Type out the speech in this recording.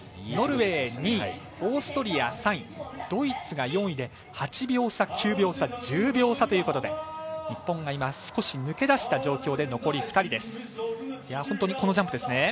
ノルウェー２位オーストリア３位ドイツが４位で８秒差、９秒差、１０秒差ということで日本が今、少し抜け出した状況で残り２人です。